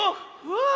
わあ。